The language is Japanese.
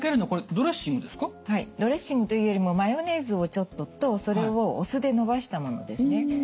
はいドレッシングというよりもマヨネーズをちょっととそれをお酢でのばしたものですね。